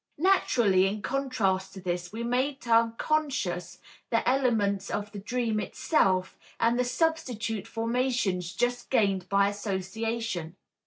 Naturally in contrast to this we may term conscious the elements of the dream itself and the substitute formations just gained by association.